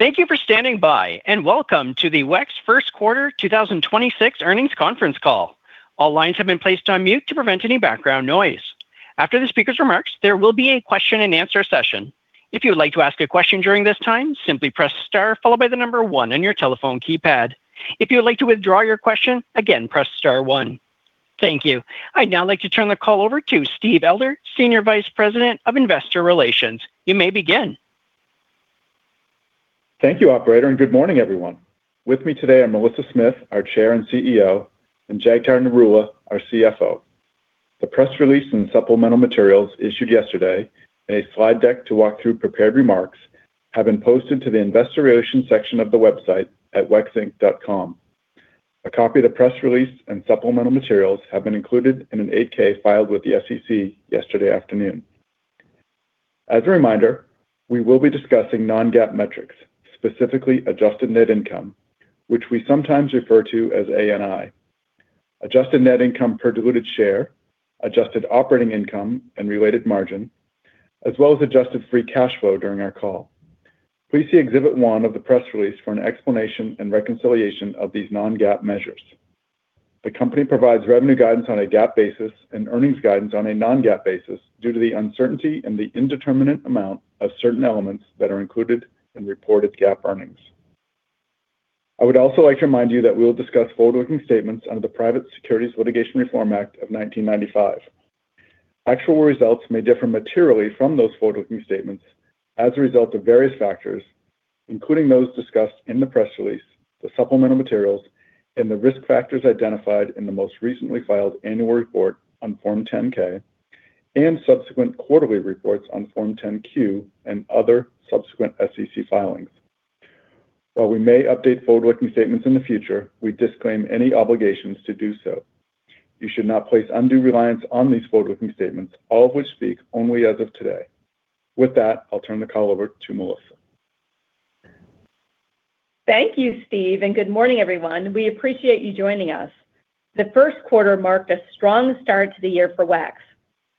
Thank you for standing by, and welcome to the WEX first quarter 2026 earnings conference call. All lines have been placed on mute to prevent any background noise. After the speaker's remarks, there will be a question and answer session. If you would like to ask a question during this time, simply press star followed by the number 1 on your telephone keypad. If you would like to withdraw your question, again, press star 1. Thank you. I'd now like to turn the call over to Steve Elder, Senior Vice President of Investor Relations. You may begin. Thank you operator, and good morning everyone. With me today are Melissa Smith, our Chair and CEO, and Jagtar Narula, our CFO. The press release and supplemental materials issued yesterday, and a slide deck to walk through prepared remarks, have been posted to the investor relation section of the website at wexinc.com. A copy of the press release and supplemental materials have been included in an 8-K filed with the SEC yesterday afternoon. As a reminder, we will be discussing non-GAAP metrics, specifically adjusted net income, which we sometimes refer to as ANI, adjusted net income per diluted share, adjusted operating income and related margin, as well as adjusted free cash flow during our call. Please see exhibit one of the press release for an explanation and reconciliation of these non-GAAP measures. The company provides revenue guidance on a GAAP basis and earnings guidance on a non-GAAP basis due to the uncertainty and the indeterminate amount of certain elements that are included in reported GAAP earnings. I would also like to remind you that we'll discuss forward-looking statements under the Private Securities Litigation Reform Act of 1995. Actual results may differ materially from those forward-looking statements as a result of various factors, including those discussed in the press release, the supplemental materials, and the risk factors identified in the most recently filed annual report on Form 10-K, and subsequent quarterly reports on Form 10-Q and other subsequent SEC filings. While we may update forward-looking statements in the future, we disclaim any obligations to do so. You should not place undue reliance on these forward-looking statements, all of which speak only as of today. With that, I'll turn the call over to Melissa. Thank you, Steve, and good morning everyone. We appreciate you joining us. The first quarter marked a strong start to the year for WEX.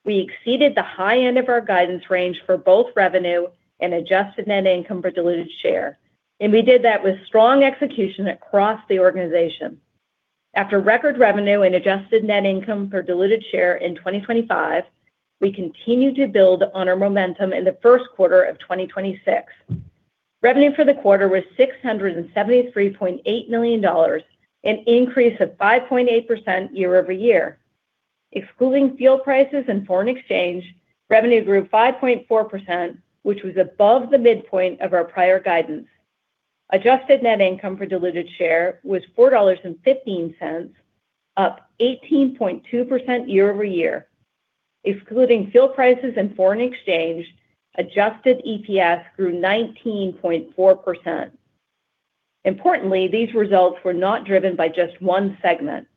We exceeded the high end of our guidance range for both revenue and adjusted net income per diluted share, and we did that with strong execution across the organization. After record revenue and adjusted net income per diluted share in 2025, we continued to build on our momentum in the first quarter of 2026. Revenue for the quarter was $673.8 million, an increase of 5.8% year-over-year. Excluding fuel prices and foreign exchange, revenue grew 5.4%, which was above the midpoint of our prior guidance. Adjusted net income per diluted share was $4.15, up 18.2% year-over-year. Excluding fuel prices and foreign exchange, Adjusted EPS grew 19.4%. Importantly, these results were not driven by just one segment.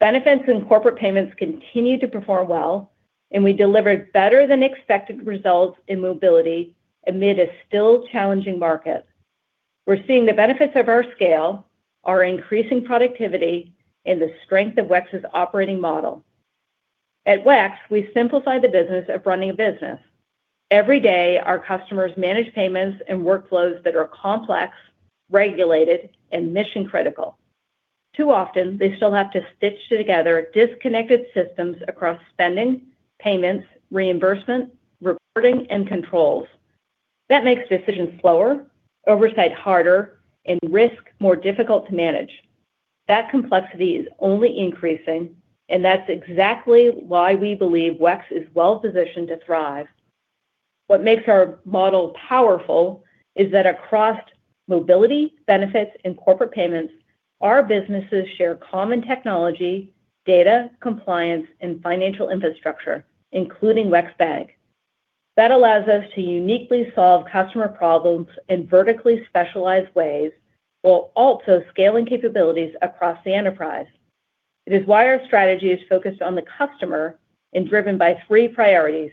Benefits and Corporate Payments continued to perform well, and we delivered better than expected results in Mobility amid a still challenging market. We're seeing the benefits of our scale, our increasing productivity, and the strength of WEX's operating model. At WEX, we simplify the business of running a business. Every day, our customers manage payments and workflows that are complex, regulated, and mission critical. Too often, they still have to stitch together disconnected systems across spending, payments, reimbursement, reporting, and controls. That makes decisions slower, oversight harder, and risk more difficult to manage. That complexity is only increasing, and that's exactly why we believe WEX is well positioned to thrive. What makes our model powerful is that across Mobility, Benefits, and Corporate Payments, our businesses share common technology, data compliance, and financial infrastructure, including WEX Bank. That allows us to uniquely solve customer problems in vertically specialized ways, while also scaling capabilities across the enterprise. It is why our strategy is focused on the customer and driven by three priorities,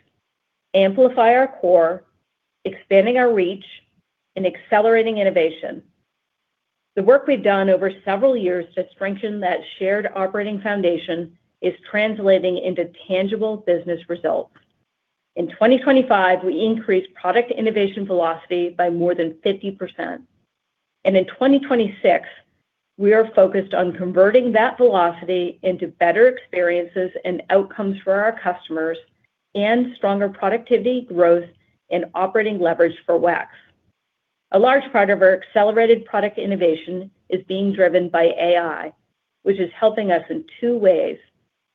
amplify our core, expanding our reach, and accelerating innovation. The work we've done over several years to strengthen that shared operating foundation is translating into tangible business results. In 2025, we increased product innovation velocity by more than 50%. In 2026, we are focused on converting that velocity into better experiences and outcomes for our customers and stronger productivity growth and operating leverage for WEX. A large part of our accelerated product innovation is being driven by AI, which is helping us in two ways.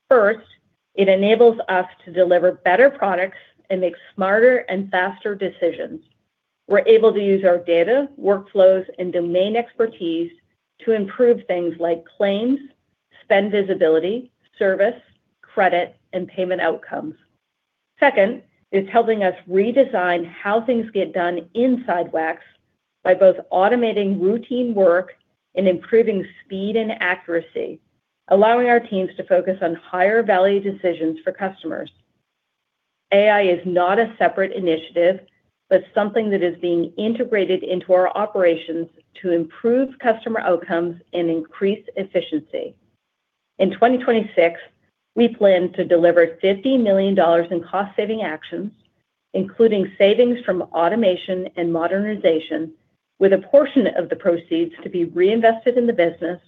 First, it enables us to deliver better products and make smarter and faster decisions. We're able to use our data, workflows, and domain expertise to improve things like claims, spend visibility, service, credit, and payment outcomes. Second, it's helping us redesign how things get done inside WEX by both automating routine work and improving speed and accuracy, allowing our teams to focus on higher value decisions for customers. AI is not a separate initiative, but something that is being integrated into our operations to improve customer outcomes and increase efficiency. In 2026, we plan to deliver $50 million in cost saving actions, including savings from automation and modernization, with a portion of the proceeds to be reinvested in the business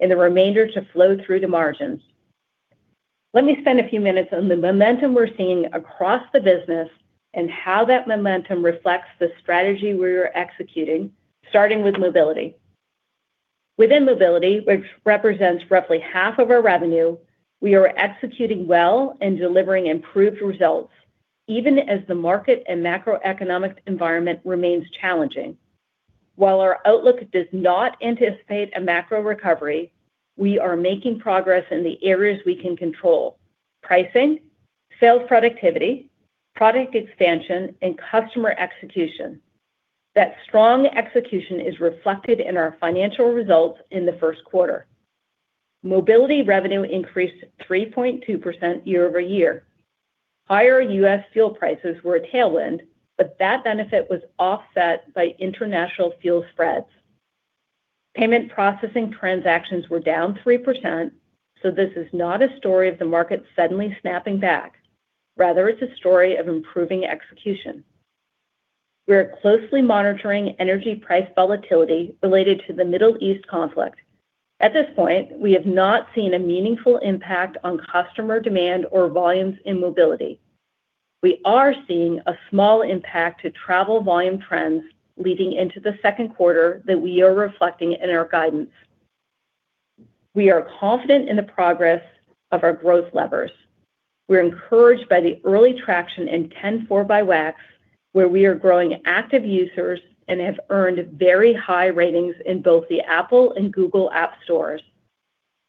and the remainder to flow through to margins. Let me spend a few minutes on the momentum we're seeing across the business and how that momentum reflects the strategy we are executing, starting with Mobility. Within Mobility, which represents roughly half of our revenue, we are executing well and delivering improved results, even as the market and macroeconomic environment remains challenging. While our outlook does not anticipate a macro recovery, we are making progress in the areas we can control: pricing, sales productivity, product expansion, and customer execution. That strong execution is reflected in our financial results in the first quarter. Mobility revenue increased 3.2% year-over-year. Higher U.S. fuel prices were a tailwind, but that benefit was offset by international fuel spreads. Payment processing transactions were down 3%, so this is not a story of the market suddenly snapping back. Rather, it's a story of improving execution. We are closely monitoring energy price volatility related to the Middle East conflict. At this point, we have not seen a meaningful impact on customer demand or volumes in Mobility. We are seeing a small impact to travel volume trends leading into the second quarter that we are reflecting in our guidance. We are confident in the progress of our growth levers. We're encouraged by the early traction in 10-4 by WEX, where we are growing active users and have earned very high ratings in both the Apple and Google App stores.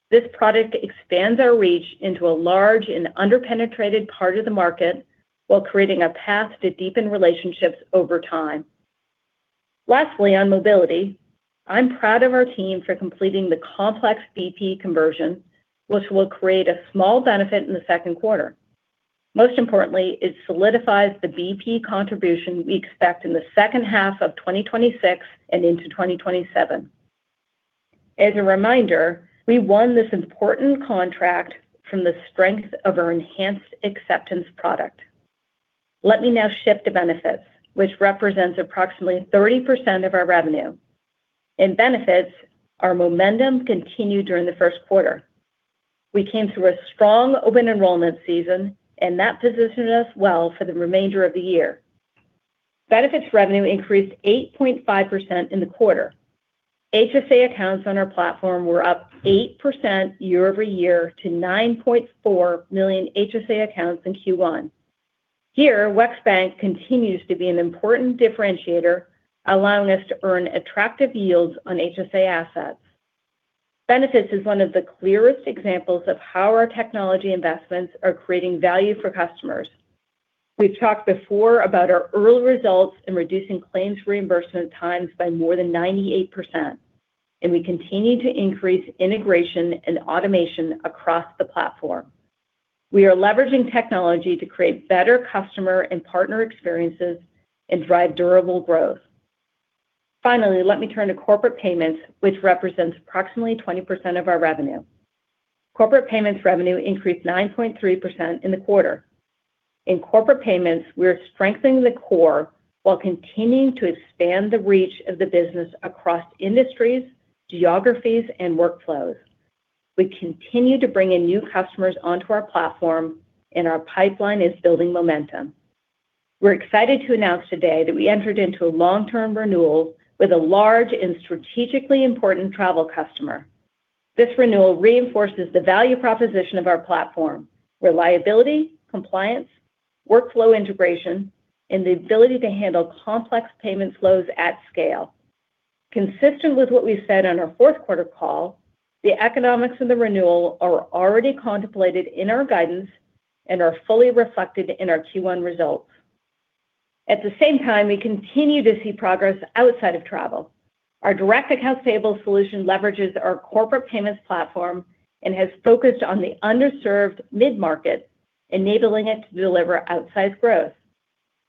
This product expands our reach into a large and under-penetrated part of the market while creating a path to deepen relationships over time. Lastly, on Mobility, I'm proud of our team for completing the complex BP conversion, which will create a small benefit in the second quarter. Most importantly, it solidifies the BP contribution we expect in the second half of 2026 and into 2027. As a reminder, we won this important contract from the strength of our enhanced acceptance product. Let me now shift to Benefits, which represents approximately 30% of our revenue. In Benefits, our momentum continued during the first quarter. We came through a strong open enrollment season, and that positioned us well for the remainder of the year. Benefits revenue increased 8.5% in the quarter. HSA accounts on our platform were up 8% year-over-year to 9.4 million HSA accounts in Q1. Here, WEX Bank continues to be an important differentiator, allowing us to earn attractive yields on HSA assets. Benefits is one of the clearest examples of how our technology investments are creating value for customers. We've talked before about our early results in reducing claims reimbursement times by more than 98%, and we continue to increase integration and automation across the platform. We are leveraging technology to create better customer and partner experiences and drive durable growth. Finally, let me turn to Corporate Payments, which represents approximately 20% of our revenue. Corporate Payments revenue increased 9.3% in the quarter. In Corporate Payments, we are strengthening the core while continuing to expand the reach of the business across industries, geographies, and workflows. We continue to bring in new customers onto our platform, and our pipeline is building momentum. We're excited to announce today that we entered into a long-term renewal with a large and strategically important travel customer. This renewal reinforces the value proposition of our platform, reliability, compliance, workflow integration, and the ability to handle complex payment flows at scale. Consistent with what we said on our fourth quarter call, the economics of the renewal are already contemplated in our guidance and are fully reflected in our Q1 results. At the same time, we continue to see progress outside of travel. Our direct accounts payable solution leverages our Corporate Payments platform and has focused on the underserved mid-market, enabling it to deliver outsized growth.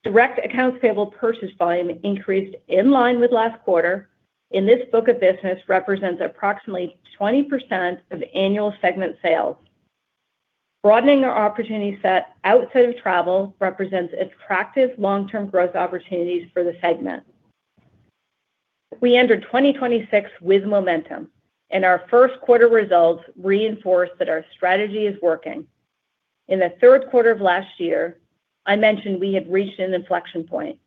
Direct accounts payable purchase volume increased in line with last quarter, and this book of business represents approximately 20% of annual segment sales. Broadening our opportunity set outside of travel represents attractive long-term growth opportunities for the segment. We entered 2026 with momentum, and our first quarter results reinforce that our strategy is working. In the third quarter of last year, I mentioned we had reached an inflection point.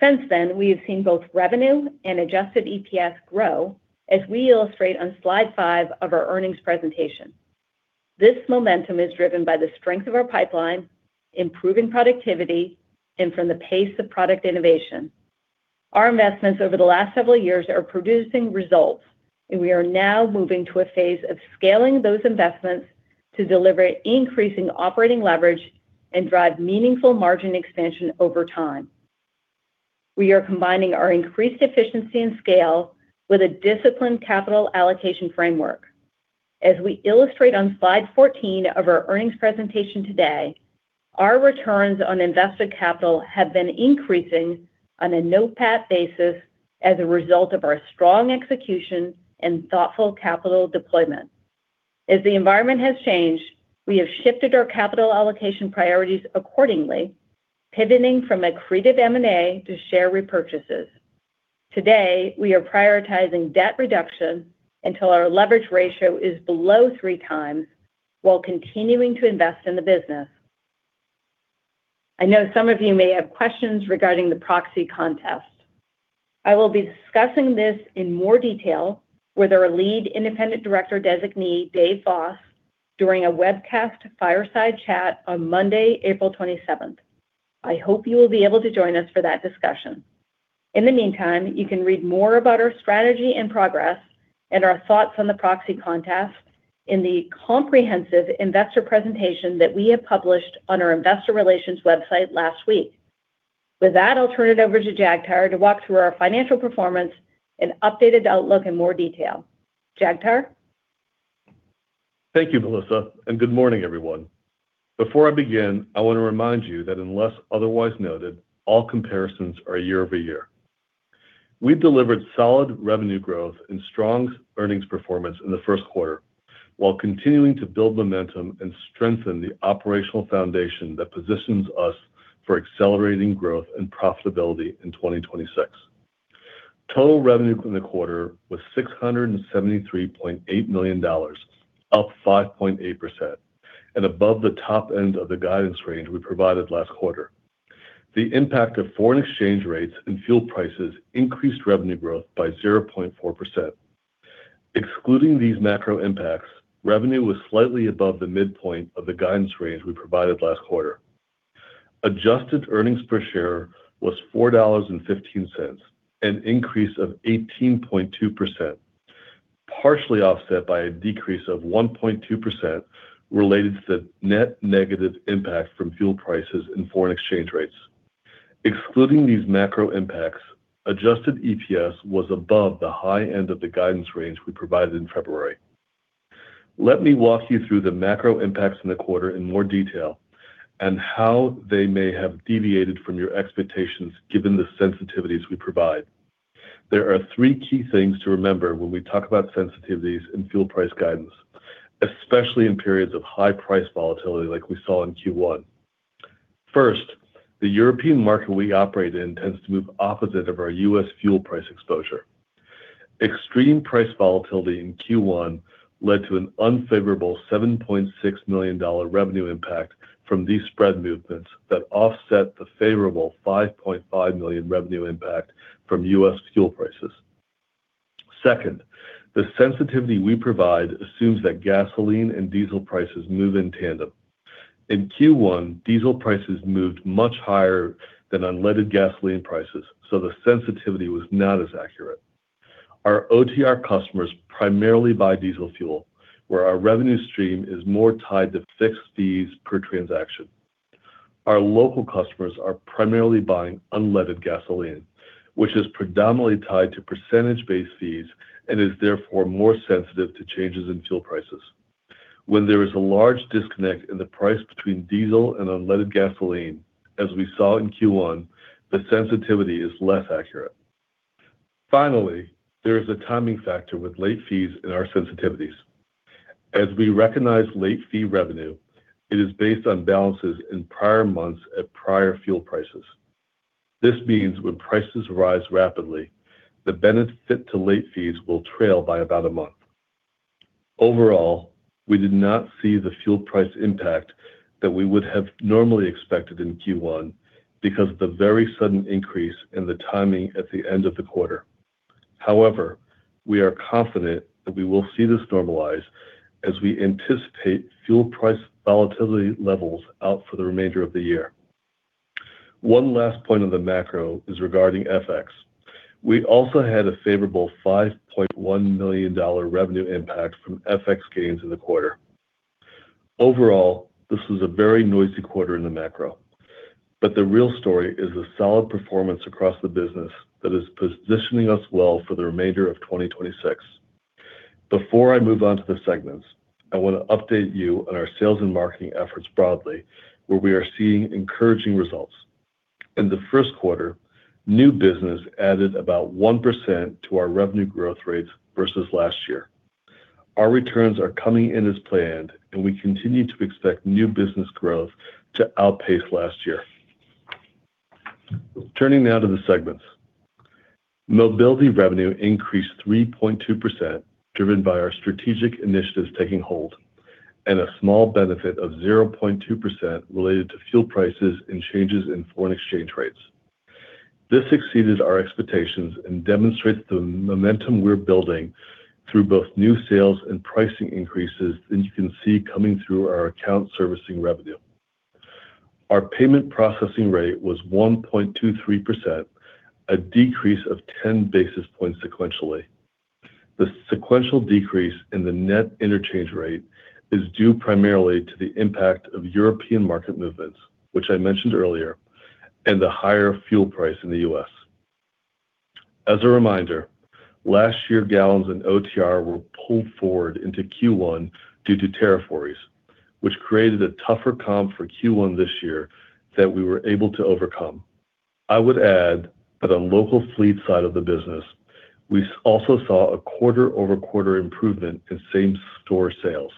Since then, we have seen both revenue and Adjusted EPS grow as we illustrate on slide five of our earnings presentation. This momentum is driven by the strength of our pipeline, improving productivity, and from the pace of product innovation. Our investments over the last several years are producing results, and we are now moving to a phase of scaling those investments to deliver increasing operating leverage and drive meaningful margin expansion over time. We are combining our increased efficiency and scale with a disciplined capital allocation framework. As we illustrate on slide 14 of our earnings presentation today. Our returns on invested capital have been increasing on a NOPAT basis as a result of our strong execution and thoughtful capital deployment. As the environment has changed, we have shifted our capital allocation priorities accordingly, pivoting from accretive M&A to share repurchases. Today, we are prioritizing debt reduction until our leverage ratio is below 3x while continuing to invest in the business. I know some of you may have questions regarding the proxy contest. I will be discussing this in more detail with our lead independent director designee, David Voss, during a webcast fireside chat on Monday, April 27th. I hope you will be able to join us for that discussion. In the meantime, you can read more about our strategy and progress and our thoughts on the proxy contest in the comprehensive investor presentation that we have published on our investor relations website last week. With that, I'll turn it over to Jagtar to walk through our financial performance and updated outlook in more detail. Jagtar? Thank you, Melissa, and good morning, everyone. Before I begin, I want to remind you that unless otherwise noted, all comparisons are year-over-year. We've delivered solid revenue growth and strong earnings performance in the first quarter while continuing to build momentum and strengthen the operational foundation that positions us for accelerating growth and profitability in 2026. Total revenue from the quarter was $673.8 million, up 5.8% and above the top end of the guidance range we provided last quarter. The impact of foreign exchange rates and fuel prices increased revenue growth by 0.4%. Excluding these macro impacts, revenue was slightly above the midpoint of the guidance range we provided last quarter. Adjusted earnings per share was $4.15, an increase of 18.2%, partially offset by a decrease of 1.2% related to the net negative impact from fuel prices and foreign exchange rates. Excluding these macro impacts, adjusted EPS was above the high end of the guidance range we provided in February. Let me walk you through the macro impacts in the quarter in more detail and how they may have deviated from your expectations, given the sensitivities we provide. There are three key things to remember when we talk about sensitivities and fuel price guidance, especially in periods of high price volatility like we saw in Q1. First, the European market we operate in tends to move opposite of our U.S. fuel price exposure. Extreme price volatility in Q1 led to an unfavorable $7.6 million revenue impact from these spread movements that offset the favorable $5.5 million revenue impact from U.S. fuel prices. Second, the sensitivity we provide assumes that gasoline and diesel prices move in tandem. In Q1, diesel prices moved much higher than unleaded gasoline prices, so the sensitivity was not as accurate. Our OTR customers primarily buy diesel fuel, where our revenue stream is more tied to fixed fees per transaction. Our local customers are primarily buying unleaded gasoline, which is predominantly tied to percentage-based fees and is therefore more sensitive to changes in fuel prices. When there is a large disconnect in the price between diesel and unleaded gasoline, as we saw in Q1, the sensitivity is less accurate. Finally, there is a timing factor with late fees in our sensitivities. As we recognize late fee revenue, it is based on balances in prior months at prior fuel prices. This means when prices rise rapidly, the benefit to late fees will trail by about a month. Overall, we did not see the fuel price impact that we would have normally expected in Q1 because of the very sudden increase in the timing at the end of the quarter. However, we are confident that we will see this normalize as we anticipate fuel price volatility levels out for the remainder of the year. One last point on the macro is regarding FX. We also had a favorable $5.1 million revenue impact from FX gains in the quarter. Overall, this was a very noisy quarter in the macro, but the real story is the solid performance across the business that is positioning us well for the remainder of 2026. Before I move on to the segments, I want to update you on our sales and marketing efforts broadly, where we are seeing encouraging results. In the first quarter, new business added about 1% to our revenue growth rates versus last year. Our returns are coming in as planned, and we continue to expect new business growth to outpace last year. Turning now to the segments. Mobility revenue increased 3.2%, driven by our strategic initiatives taking hold and a small benefit of 0.2% related to fuel prices and changes in foreign exchange rates. This exceeded our expectations and demonstrates the momentum we're building through both new sales and pricing increases that you can see coming through our account servicing revenue. Our payment processing rate was 1.23%, a decrease of 10 basis points sequentially. The sequential decrease in the net interchange rate is due primarily to the impact of European market movements, which I mentioned earlier, and the higher fuel price in the U.S. As a reminder, last year gallons and OTR were pulled forward into Q1 due to tariff worries, which created a tougher comp for Q1 this year that we were able to overcome. I would add that on local fleet side of the business, we also saw a quarter-over-quarter improvement in same store sales,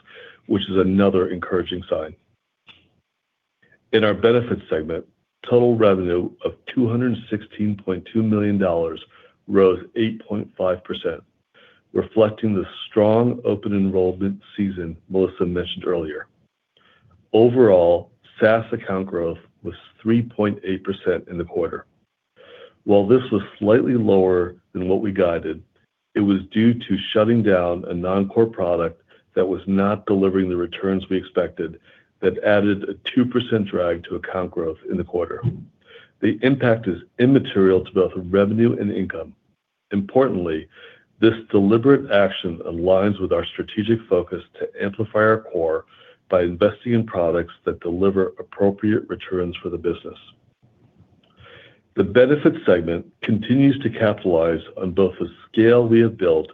which is another encouraging sign. In our Benefits segment, total revenue of $216.2 million rose 8.5%, reflecting the strong open enrollment season Melissa mentioned earlier. Overall, SaaS account growth was 3.8% in the quarter. While this was slightly lower than what we guided, it was due to shutting down a non-core product that was not delivering the returns we expected that added a 2% drag to account growth in the quarter. The impact is immaterial to both revenue and income. Importantly, this deliberate action aligns with our strategic focus to amplify our core by investing in products that deliver appropriate returns for the business. The Benefits segment continues to capitalize on both the scale we have built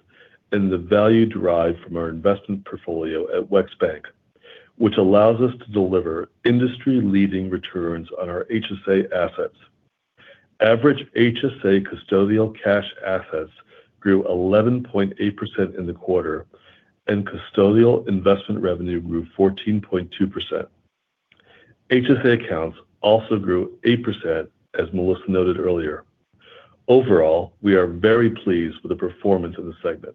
and the value derived from our investment portfolio at WEX Bank, which allows us to deliver industry-leading returns on our HSA assets. Average HSA custodial cash assets grew 11.8% in the quarter, and custodial investment revenue grew 14.2%. HSA accounts also grew 8%, as Melissa noted earlier. Overall, we are very pleased with the performance of the segment.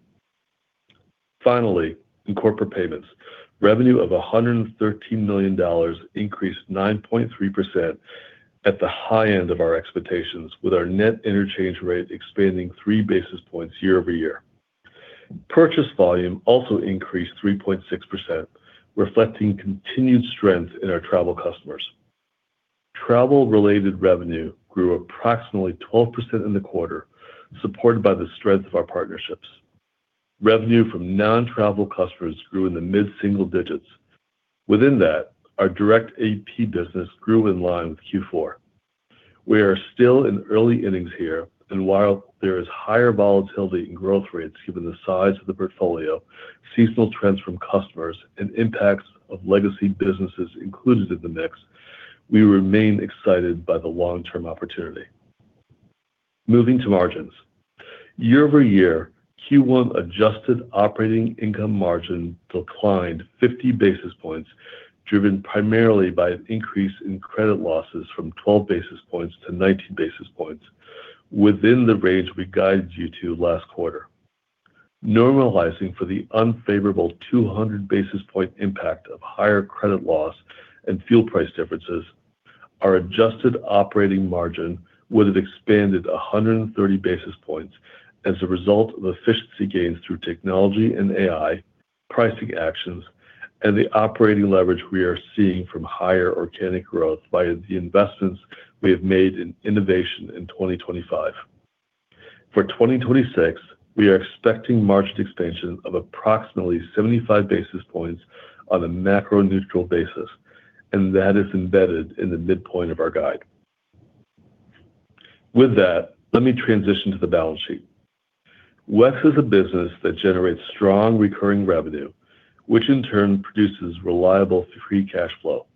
Finally, in Corporate Payments, revenue of $113 million increased 9.3% at the high end of our expectations, with our net interchange rate expanding three basis points year-over-year. Purchase volume also increased 3.6%, reflecting continued strength in our travel customers. Travel-related revenue grew approximately 12% in the quarter, supported by the strength of our partnerships. Revenue from non-travel customers grew in the mid-single digits. Within that, our direct AP business grew in line with Q4. We are still in early innings here, and while there is higher volatility in growth rates given the size of the portfolio, seasonal trends from customers, and impacts of legacy businesses included in the mix, we remain excited by the long-term opportunity. Moving to margins. Year-over-year, Q1 adjusted operating income margin declined 50 basis points, driven primarily by an increase in credit losses from 12 basis points-19 basis points within the range we guided you to last quarter. Normalizing for the unfavorable 200 basis point impact of higher credit loss and fuel price differences, our adjusted operating margin would have expanded 130 basis points as a result of efficiency gains through technology and AI, pricing actions, and the operating leverage we are seeing from higher organic growth via the investments we have made in innovation in 2025. For 2026, we are expecting margin expansion of approximately 75 basis points on a macro-neutral basis, and that is embedded in the midpoint of our guide. With that, let me transition to the balance sheet. WEX is a business that generates strong recurring revenue, which in turn produces reliable free cash flow.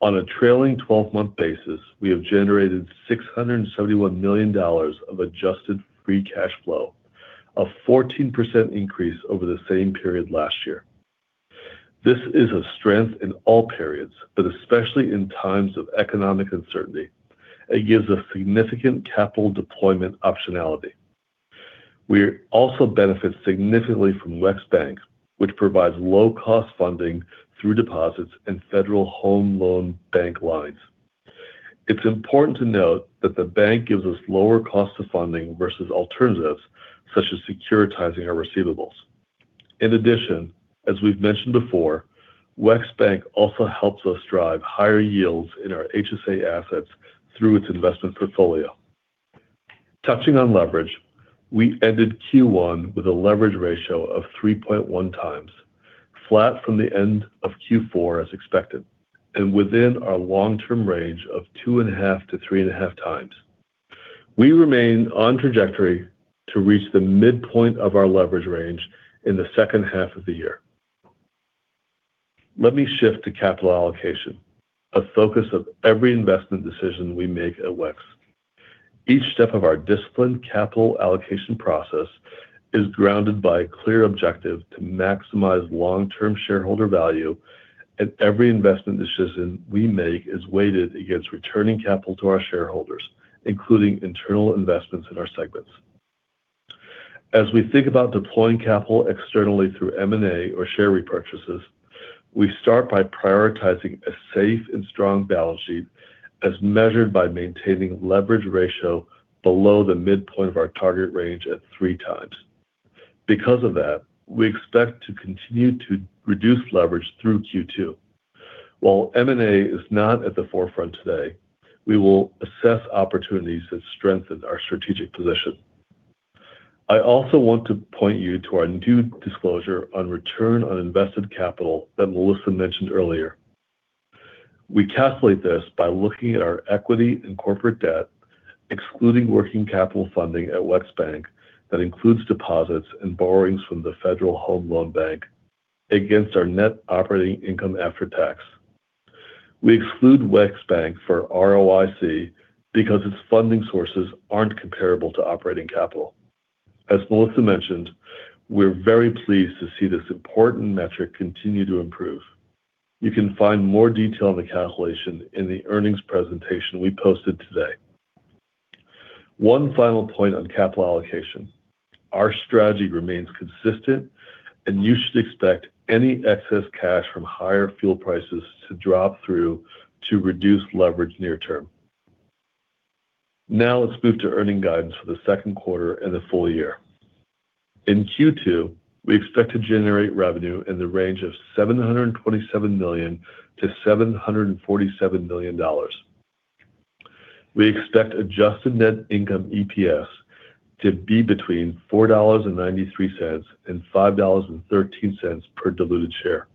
On a trailing 12-month basis, we have generated $671 million of adjusted free cash flow, a 14% increase over the same period last year. This is a strength in all periods, but especially in times of economic uncertainty. It gives us significant capital deployment optionality. We also benefit significantly from WEX Bank, which provides low-cost funding through deposits and Federal Home Loan Bank lines. It's important to note that the bank gives us lower cost of funding versus alternatives, such as securitizing our receivables. In addition, as we've mentioned before, WEX Bank also helps us drive higher yields in our HSA assets through its investment portfolio. Touching on leverage, we ended Q1 with a leverage ratio of 3.1x, flat from the end of Q4 as expected, and within our long-term range of 2.5x-3.5x. We remain on trajectory to reach the midpoint of our leverage range in the second half of the year. Let me shift to capital allocation, a focus of every investment decision we make at WEX. Each step of our disciplined capital allocation process is grounded by a clear objective to maximize long-term shareholder value, and every investment decision we make is weighted against returning capital to our shareholders, including internal investments in our segments. As we think about deploying capital externally through M&A or share repurchases, we start by prioritizing a safe and strong balance sheet as measured by maintaining leverage ratio below the midpoint of our target range at 3x. Because of that, we expect to continue to reduce leverage through Q2. While M&A is not at the forefront today, we will assess opportunities that strengthen our strategic position. I also want to point you to our new disclosure on return on invested capital that Melissa mentioned earlier. We calculate this by looking at our equity and corporate debt excluding working capital funding at WEX Bank that includes deposits and borrowings from the Federal Home Loan Bank against our net operating income after tax. We exclude WEX Bank for ROIC because its funding sources aren't comparable to operating capital. As Melissa mentioned, we're very pleased to see this important metric continue to improve. You can find more detail on the calculation in the earnings presentation we posted today. One final point on capital allocation. Our strategy remains consistent, and you should expect any excess cash from higher fuel prices to drop through to reduce leverage near term. Now let's move to earnings guidance for the second quarter and the full year. In Q2, we expect to generate revenue in the range of $727 million-$747 million. We expect Adjusted Net Income EPS to be between $4.93-$5.13 per diluted share.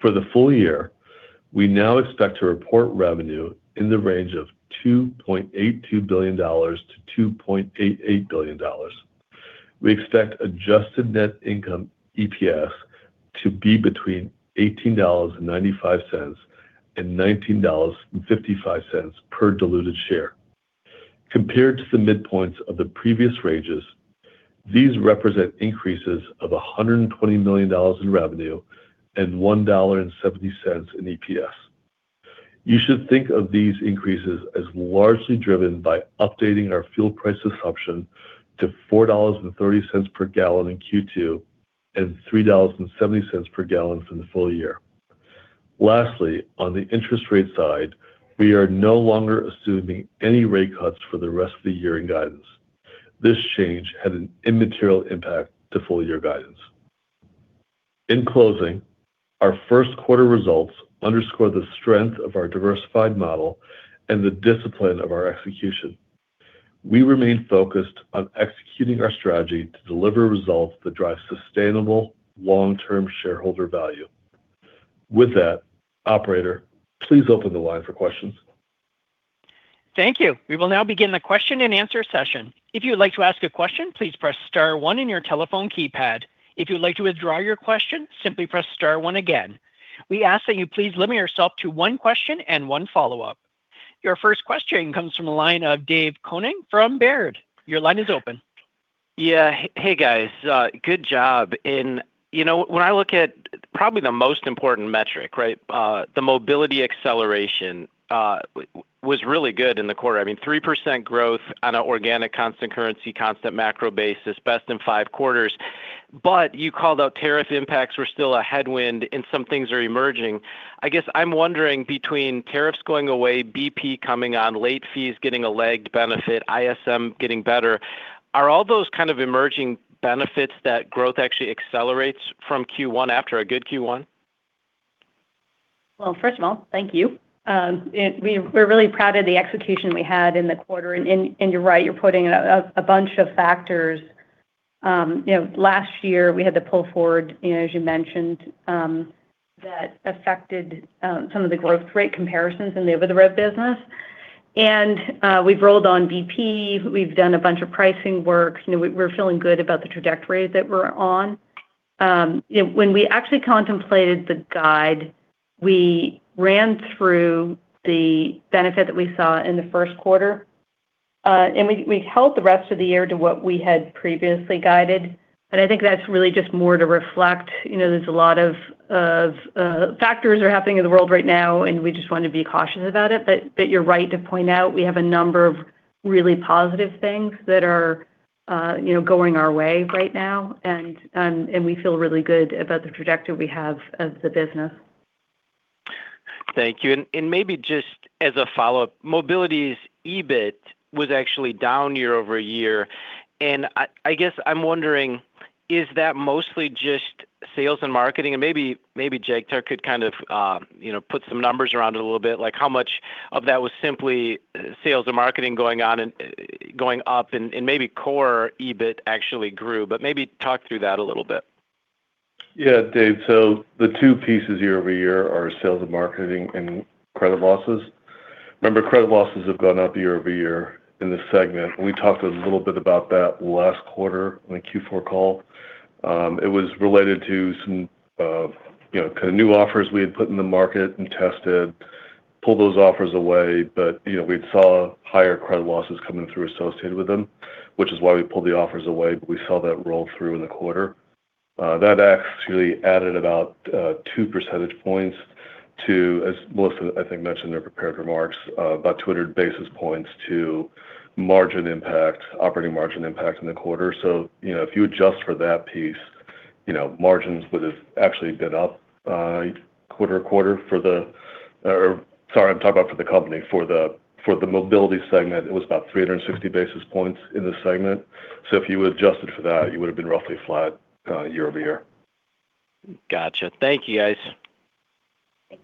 For the full year, we now expect to report revenue in the range of $2.82 billion-$2.88 billion. We expect Adjusted Net Income EPS to be between $18.95-$19.55 per diluted share. Compared to the midpoints of the previous ranges, these represent increases of $120 million in revenue and $1.70 in EPS. You should think of these increases as largely driven by updating our fuel price assumption to $4.30 per gallon in Q2 and $3.70 per gallon for the full year. Lastly, on the interest rate side, we are no longer assuming any rate cuts for the rest of the year in guidance. This change had an immaterial impact to full year guidance. In closing, our first quarter results underscore the strength of our diversified model and the discipline of our execution. We remain focused on executing our strategy to deliver results that drive sustainable long-term shareholder value. With that, operator, please open the line for questions. Thank you. We will now begin the question and answer session. If you would like to ask a question, please press star one in your telephone keypad. If you would like to withdraw your question, simply press star one again. We ask that you please limit yourself to one question and one follow-up. Your first question comes from the line of David Koning from Baird. Your line is open. Yeah. Hey, guys. Good job. When I look at probably the most important metric, the Mobility acceleration was really good in the quarter. I mean, 3% growth on an organic constant currency, constant macro basis, best in five quarters. You called out tariff impacts were still a headwind and some things are emerging. I guess I'm wondering between tariffs going away, BP coming on, late fees getting a lagged benefit, ISM getting better, are all those kind of emerging benefits that growth actually accelerates from Q1 after a good Q1? Well, first of all, thank you. We're really proud of the execution we had in the quarter. You're right, you're putting a bunch of factors. Last year, we had the pull forward, as you mentioned, that affected some of the growth rate comparisons in the over-the-road business. We've rolled on BP. We've done a bunch of pricing work. We're feeling good about the trajectory that we're on. When we actually contemplated the guide, we ran through the benefit that we saw in the first quarter, and we held the rest of the year to what we had previously guided. I think that's really just more to reflect there's a lot of factors are happening in the world right now, and we just want to be cautious about it. You're right to point out we have a number of really positive things that are going our way right now, and we feel really good about the trajectory we have of the business. Thank you. Maybe just as a follow-up, Mobility's EBIT was actually down year-over-year. I guess I'm wondering, is that mostly just sales and marketing? Maybe Jagtar Narula could put some numbers around it a little bit. How much of that was simply sales and marketing going up, and maybe core EBIT actually grew. Maybe talk through that a little bit. Yeah, Dave. The two pieces year-over-year are sales and marketing and credit losses. Remember, credit losses have gone up year-over-year in this segment. We talked a little bit about that last quarter on the Q4 call. It was related to some kind of new offers we had put in the market and tested, pulled those offers away. We'd saw higher credit losses coming through associated with them, which is why we pulled the offers away. We saw that roll through in the quarter. That actually added about two percentage points to, as Melissa, I think mentioned in her prepared remarks, about 200 basis points to margin impact, operating margin impact in the quarter. If you adjust for that piece, margins would have actually been up quarter-over-quarter for the company. For the Mobility segment, it was about 360 basis points in the segment. If you adjusted for that, you would have been roughly flat year-over-year. Got you. Thank you, guys. Thank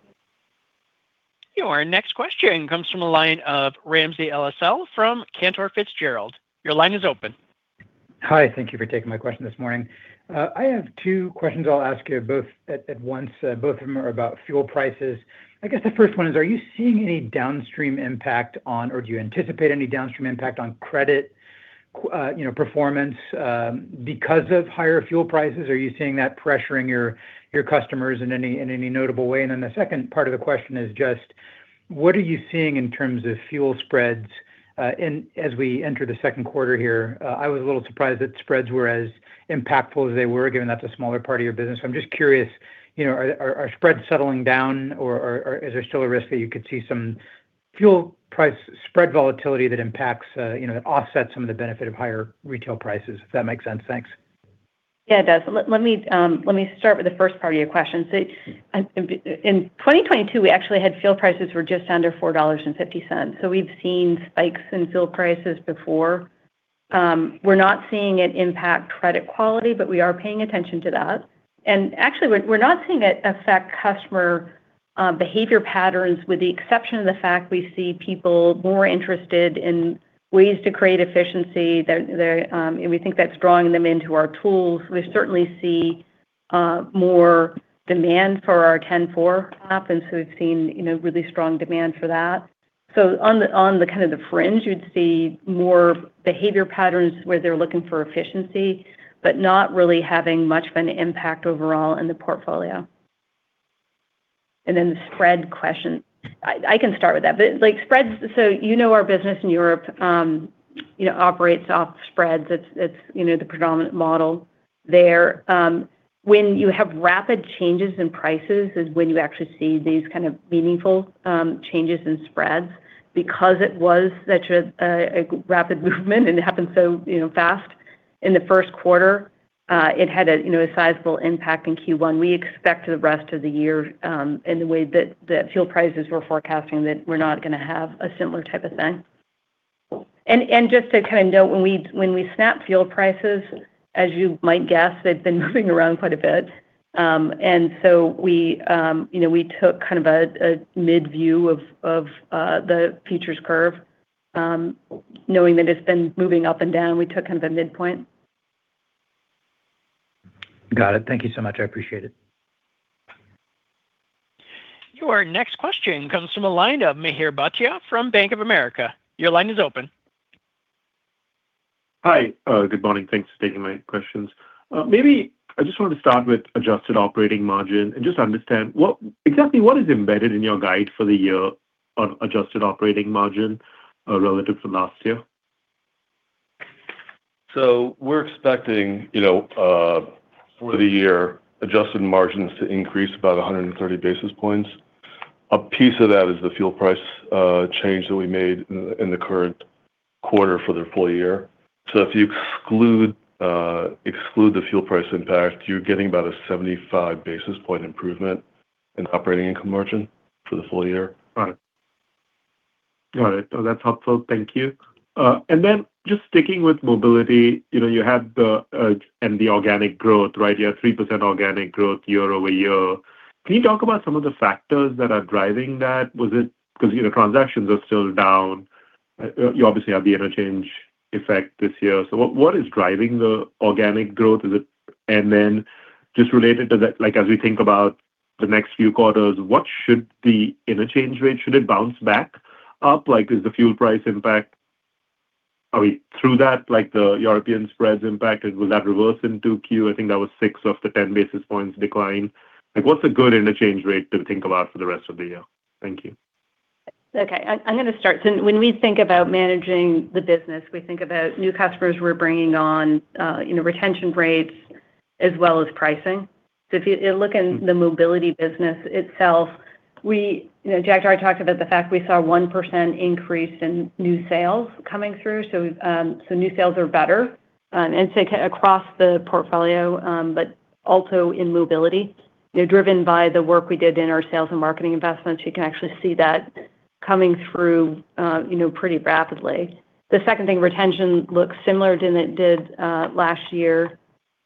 you. Your next question comes from the line of Ramsey El-Assal from Cantor Fitzgerald. Your line is open. Hi, thank you for taking my question this morning. I have two questions I'll ask you both at once. Both of them are about fuel prices. I guess the first one is, are you seeing any downstream impact on, or do you anticipate any downstream impact on credit performance because of higher fuel prices? Are you seeing that pressuring your customers in any notable way? And then the second part of the question is just what are you seeing in terms of fuel spreads as we enter the second quarter here? I was a little surprised that spreads were as impactful as they were, given that's a smaller part of your business. I'm just curious, are spreads settling down or is there still a risk that you could see some fuel price spread volatility that impacts, that offsets some of the benefit of higher retail prices? If that makes sense. Thanks. Yeah, it does. Let me start with the first part of your question. In 2022, we actually had fuel prices were just under $4.50. We've seen spikes in fuel prices before. We're not seeing it impact credit quality, but we are paying attention to that. Actually, we're not seeing it affect customer behavior patterns with the exception of the fact we see people more interested in ways to create efficiency, and we think that's drawing them into our tools. We certainly see more demand for our 10-4 app, and so we've seen really strong demand for that. On the fringe, you'd see more behavior patterns where they're looking for efficiency, but not really having much of an impact overall in the portfolio. Then the spread question, I can start with that. Spreads, so you know our business in Europe operates off spreads. It's the predominant model there. When you have rapid changes in prices is when you actually see these kind of meaningful changes in spreads. Because it was such a rapid movement and happened so fast in the first quarter, it had a sizable impact in Q1. We expect the rest of the year in the way that fuel prices we're forecasting that we're not going to have a similar type of thing. Just to note, when we snap fuel prices, as you might guess, they've been moving around quite a bit. We took a mid view of the futures curve, knowing that it's been moving up and down. We took a midpoint. Got it. Thank you so much. I appreciate it. Your next question comes from a line of Mihir Bhatia from Bank of America. Your line is open. Hi. Good morning. Thanks for taking my questions. Maybe I just want to start with adjusted operating margin and just understand exactly what is embedded in your guide for the year on adjusted operating margin relative to last year? We're expecting for the year adjusted margins to increase about 130 basis points. A piece of that is the fuel price change that we made in the current quarter for the full year. If you exclude the fuel price impact, you're getting about a 75 basis point improvement in operating income margin for the full year. Right. All right. No, that's helpful. Thank you. Just sticking with Mobility, you had the organic growth, right? You had 3% organic growth year-over-year. Can you talk about some of the factors that are driving that? Was it because transactions are still down? You obviously have the interchange effect this year. What is driving the organic growth? Just related to that, as we think about the next few quarters, what should the interchange rate, should it bounce back up? Is the fuel price impact, are we through that, like the European spreads impact? Will that reverse in 2Q? I think that was six of the 10 basis points decline. What's a good interchange rate to think about for the rest of the year? Thank you. Okay. I'm going to start. When we think about managing the business, we think about new customers we're bringing on, retention rates as well as pricing. If you look in the Mobility business itself, Jagtar talked about the fact we saw 1% increase in new sales coming through. New sales are better and so across the portfolio, but also in Mobility. They're driven by the work we did in our sales and marketing investments. You can actually see that coming through pretty rapidly. The second thing, retention looks similar to what it did last year.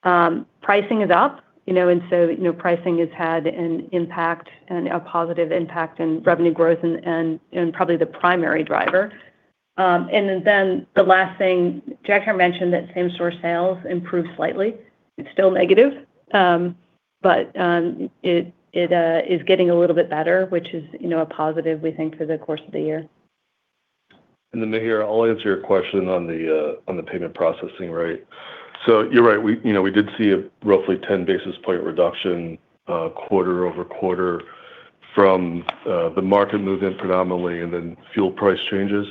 Pricing is up, and so pricing has had an impact and a positive impact in revenue growth and probably the primary driver. Then the last thing, Jagtar mentioned that same-store sales improved slightly. It's still negative, but it is getting a little bit better, which is a positive, we think, for the course of the year. Mihir, I'll answer your question on the payment processing rate. You're right, we did see a roughly 10 basis points reduction quarter-over-quarter from the market movement predominantly, and then fuel price changes.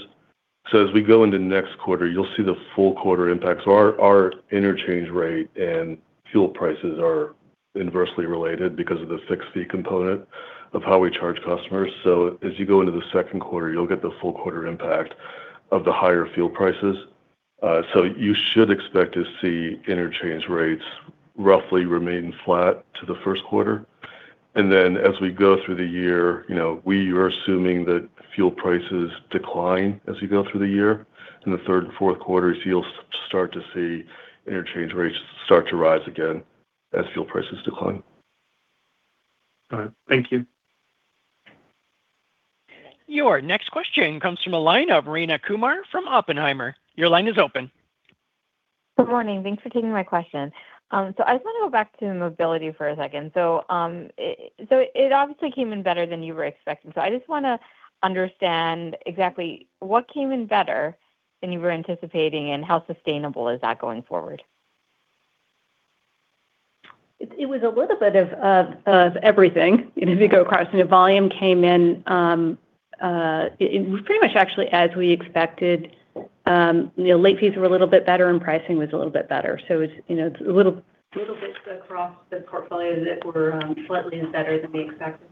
As we go into next quarter, you'll see the full quarter impacts. Our interchange rate and fuel prices are inversely related because of the fixed fee component of how we charge customers. As you go into the second quarter, you'll get the full quarter impact of the higher fuel prices. You should expect to see interchange rates roughly remain flat to the first quarter. As we go through the year, we are assuming that fuel prices decline as we go through the year. In the third and fourth quarters, you'll start to see interchange rates start to rise again as fuel prices decline. All right. Thank you. Your next question comes from a line of Rayna Kumar from Oppenheimer. Your line is open. Good morning. Thanks for taking my question. I just want to go back to Mobility for a second. It obviously came in better than you were expecting. I just want to understand exactly what came in better than you were anticipating, and how sustainable is that going forward? It was a little bit of everything. If you go across, volume came in pretty much actually as we expected. Late fees were a little bit better and pricing was a little bit better. It's a little bit across the portfolio that were slightly better than we expected.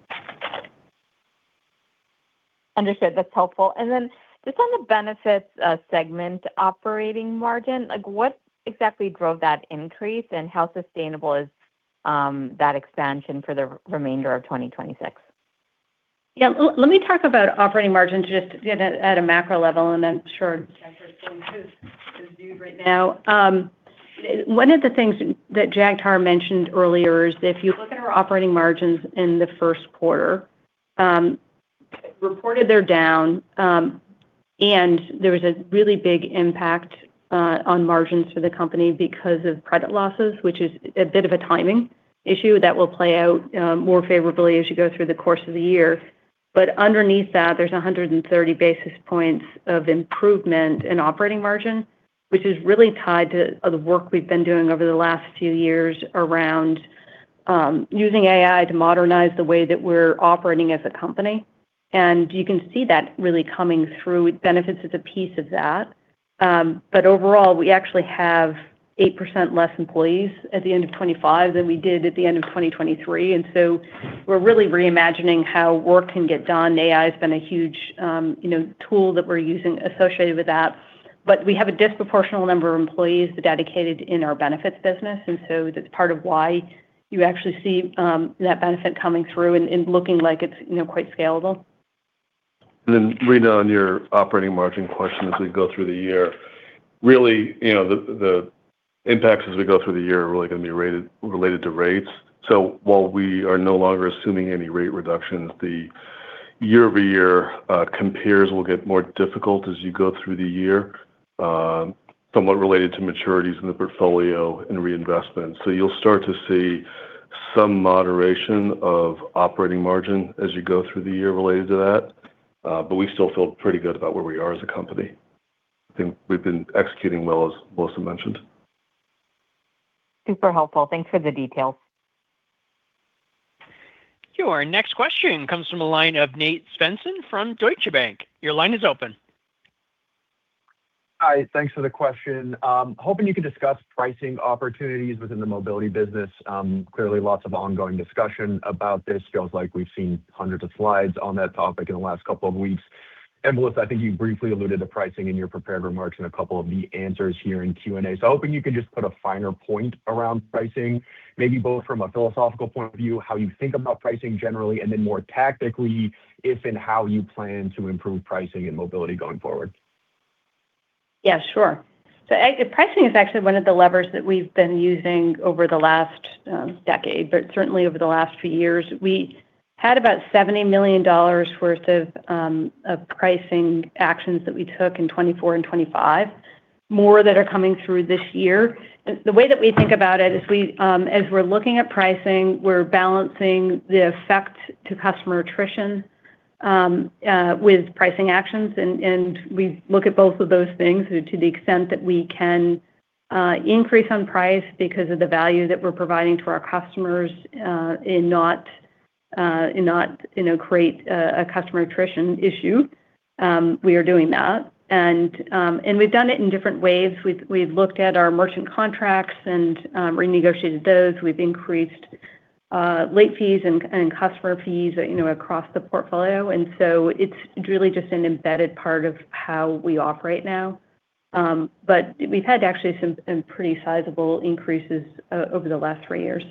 Understood. That's helpful. Just on the Benefits segment operating margin, what exactly drove that increase, and how sustainable is that expansion for the remainder of 2026? Yeah. Let me talk about operating margins just at a macro level, and then sure Jagtar can too right now. One of the things that Jagtar mentioned earlier is if you look at our operating margins in the first quarter, reported they're down, and there was a really big impact on margins for the company because of credit losses, which is a bit of a timing issue that will play out more favorably as you go through the course of the year. Underneath that, there's 130 basis points of improvement in operating margin, which is really tied to the work we've been doing over the last few years around using AI to modernize the way that we're operating as a company. You can see that really coming through with Benefits as a piece of that. Overall, we actually have 8% less employees at the end of 2025 than we did at the end of 2023. We're really reimagining how work can get done. AI has been a huge tool that we're using associated with that. We have a disproportional number of employees dedicated in our Benefits business, and so that's part of why you actually see that benefit coming through and looking like it's quite scalable. Rayna, on your operating margin question as we go through the year, really, the impacts as we go through the year are really going to be related to rates. While we are no longer assuming any rate reductions, the year-over-year compares will get more difficult as you go through the year, somewhat related to maturities in the portfolio and reinvestment. You'll start to see some moderation of operating margin as you go through the year related to that. We still feel pretty good about where we are as a company. I think we've been executing well as Melissa mentioned. Super helpful. Thanks for the details. Your next question comes from a line of Nate Svensson from Deutsche Bank. Your line is open. Hi, thanks for the question. Hoping you can discuss pricing opportunities within the Mobility business. Clearly lots of ongoing discussion about this. Feels like we've seen hundreds of slides on that topic in the last couple of weeks. Melissa, I think you briefly alluded to pricing in your prepared remarks in a couple of the answers here in Q&A. Hoping you can just put a finer point around pricing, maybe both from a philosophical point of view, how you think about pricing generally, and then more tactically, if and how you plan to improve pricing in Mobility going forward. Yeah, sure. Pricing is actually one of the levers that we've been using over the last decade, but certainly over the last few years. We had about $70 million worth of pricing actions that we took in 2024 and 2025. More that are coming through this year. The way that we think about it is as we're looking at pricing, we're balancing the effect to customer attrition with pricing actions, and we look at both of those things to the extent that we can increase on price because of the value that we're providing to our customers and not create a customer attrition issue. We are doing that and we've done it in different ways. We've looked at our merchant contracts and renegotiated those. We've increased late fees and customer fees across the portfolio. It's really just an embedded part of how we operate now. We've had actually some pretty sizable increases over the last three years.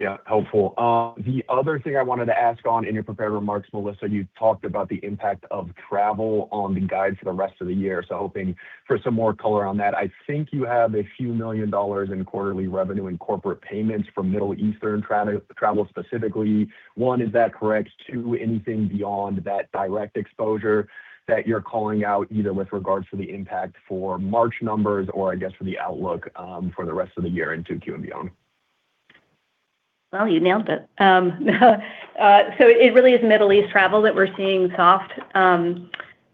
Yeah, helpful. The other thing I wanted to ask on in your prepared remarks, Melissa, you talked about the impact of travel on the guide for the rest of the year. Hoping for some more color on that. I think you have a few million dollars in quarterly revenue in Corporate Payments from Middle Eastern travel specifically. One, is that correct? Two, anything beyond that direct exposure that you're calling out, either with regards to the impact for March numbers or I guess for the outlook for the rest of the year into Q and beyond? Well, you nailed it. It really is Middle East travel that we're seeing soft.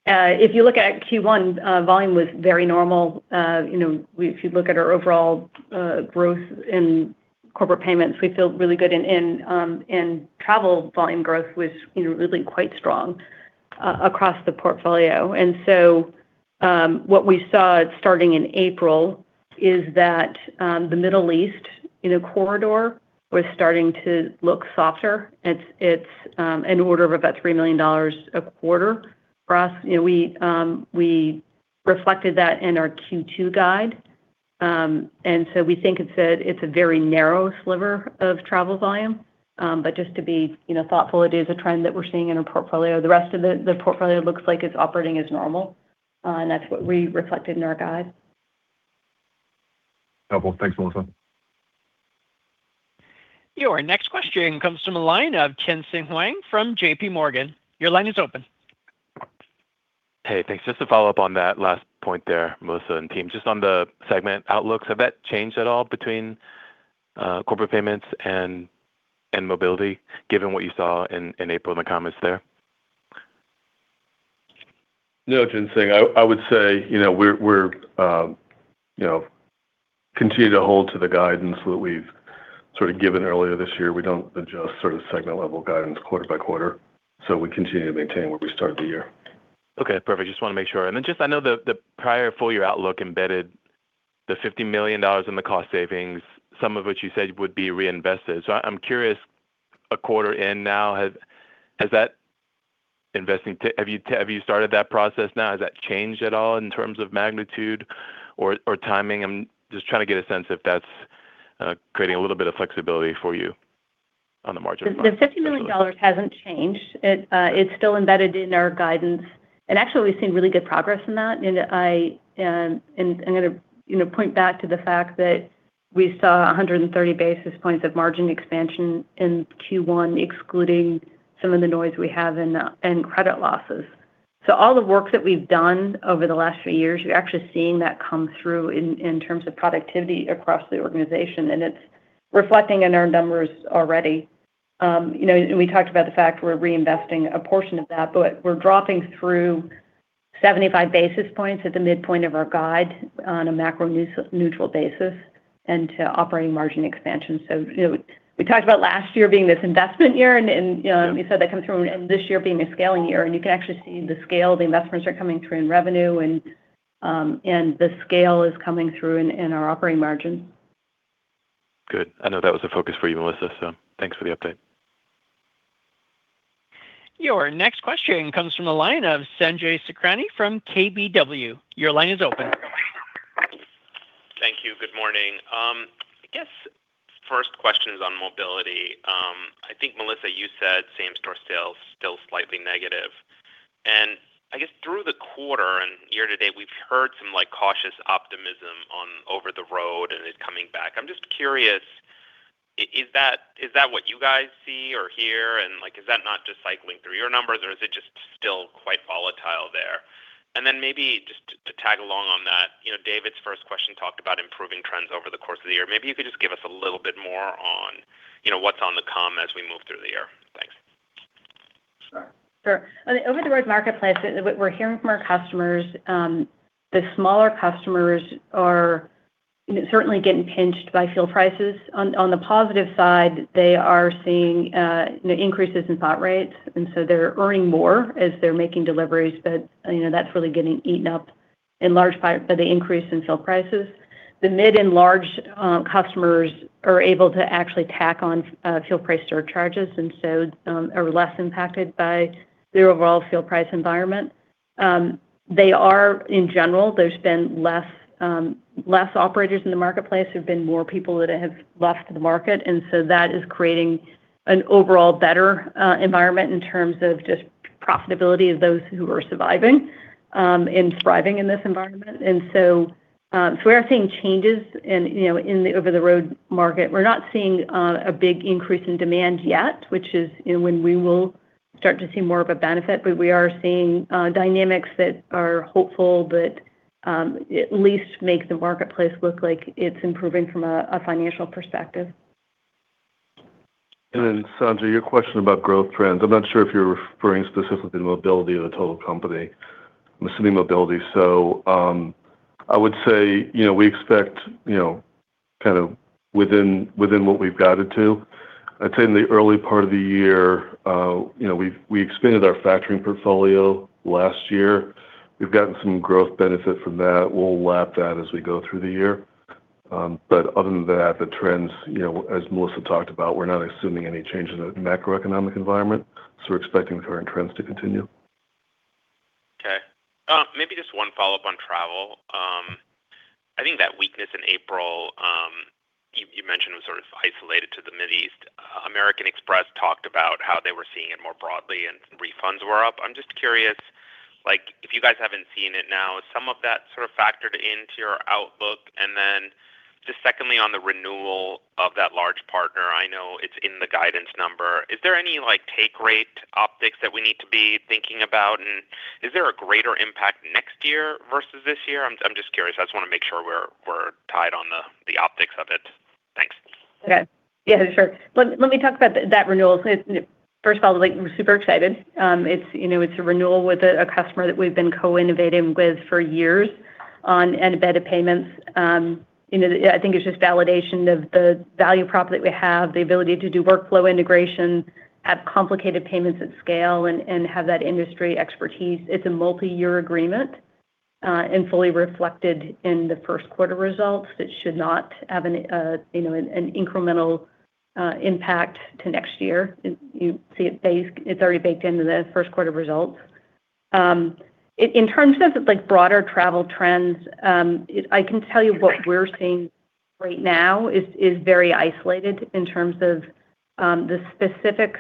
If you look at Q1, volume was very normal. If you look at our overall growth in Corporate Payments, we feel really good. Travel volume growth was really quite strong across the portfolio. What we saw starting in April is that the Middle East corridor was starting to look softer. It's an order of about $3 million a quarter for us. We reflected that in our Q2 guide. We think it's a very narrow sliver of travel volume. Just to be thoughtful, it is a trend that we're seeing in our portfolio. The rest of the portfolio looks like it's operating as normal. That's what we reflected in our guide. Helpful. Thanks, Melissa. Your next question comes from the line of Tien-Tsin Huang from J.P. Morgan. Your line is open. Hey, thanks. Just to follow up on that last point there, Melissa and team, just on the segment outlooks, have that changed at all between Corporate Payments and Mobility, given what you saw in April in the comments there? No, Tien-Tsin Huang. I would say, we continue to hold to the guidance that we've given earlier this year. We don't adjust segment-level guidance quarter by quarter, so we continue to maintain where we started the year. Okay, perfect. Just wanted to make sure. Then just, I know the prior full year outlook embedded the $50 million in the cost savings, some of which you said would be reinvested. I'm curious, a quarter in now, has that investing. Have you started that process now? Has that changed at all in terms of magnitude or timing? I'm just trying to get a sense if that's creating a little bit of flexibility for you on the margin front. The $50 million hasn't changed. It's still embedded in our guidance. Actually, we've seen really good progress in that. I'm going to point back to the fact that we saw 130 basis points of margin expansion in Q1, excluding some of the noise we have in credit losses. All the work that we've done over the last few years, you're actually seeing that come through in terms of productivity across the organization. It's reflecting in our numbers already. We talked about the fact we're reinvesting a portion of that, but we're dropping through 75 basis points at the midpoint of our guide on a macro neutral basis into operating margin expansion. We talked about last year being this investment year, and we said that comes through and this year being a scaling year, and you can actually see the scale of the investments are coming through in revenue and the scale is coming through in our operating margin. Good. I know that was a focus for you, Melissa, so thanks for the update. Your next question comes from the line of Sanjay Sakhrani from KBW. Your line is open. Thank you. Good morning. I guess first question is on mobility. I think Melissa, you said same-store sales still slightly negative. I guess through the quarter and year to date, we've heard some cautious optimism on over-the-road and it coming back. I'm just curious, is that what you guys see or hear? Is that not just cycling through your numbers or is it just still quite volatile there? Maybe just to tag along on that, David's first question talked about improving trends over the course of the year. Maybe if you could just give us a little bit more on what's to come as we move through the year. Thanks. Sure. On the over-the-road marketplace, we're hearing from our customers. The smaller customers are certainly getting pinched by fuel prices. On the positive side, they are seeing increases in spot rates, and so they're earning more as they're making deliveries, but that's really getting eaten up in large part by the increase in fuel prices. The mid and large customers are able to actually tack on fuel price surcharges and so are less impacted by the overall fuel price environment. They are, in general, there's been less operators in the marketplace. There've been more people that have left the market, and so that is creating an overall better environment in terms of just profitability of those who are surviving and thriving in this environment. We are seeing changes in the over-the-road market. We're not seeing a big increase in demand yet, which is when we will start to see more of a benefit. We are seeing dynamics that are hopeful, but at least make the marketplace look like it's improving from a financial perspective. Sanjay, your question about growth trends. I'm not sure if you're referring specifically to Mobility or the total company. I'm assuming Mobility. I would say, we expect within what we've guided to. I'd say in the early part of the year, we expanded our factoring portfolio last year. We've gotten some growth benefit from that. We'll lap that as we go through the year. Other than that, the trends, as Melissa talked about, we're not assuming any change in the macroeconomic environment, we're expecting the current trends to continue. Okay. Maybe just one follow-up on travel. I think that weakness in April, you mentioned, was sort of isolated to the Middle East. American Express talked about how they were seeing it more broadly and refunds were up. I'm just curious, if you guys haven't seen it now, is some of that sort of factored into your outlook? And then just secondly, on the renewal of that large partner, I know it's in the guidance number. Is there any take rate optics that we need to be thinking about? And is there a greater impact next year versus this year? I'm just curious. I just want to make sure we're tied on the optics of it. Thanks. Okay. Yeah, sure. Let me talk about that renewal. First of all, we're super excited. It's a renewal with a customer that we've been co-innovating with for years on embedded payments. I think it's just validation of the value prop that we have, the ability to do workflow integration, have complicated payments at scale, and have that industry expertise. It's a multi-year agreement, and fully reflected in the first quarter results. It should not have an incremental impact to next year. You see it's already baked into the first quarter results. In terms of broader travel trends, I can tell you what we're seeing right now is very isolated in terms of the specific